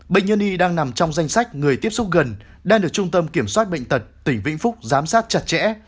bệnh nhân y đang nằm trong danh sách người tiếp xúc gần đang được trung tâm kiểm soát bệnh tật tỉnh vĩnh phúc giám sát chặt chẽ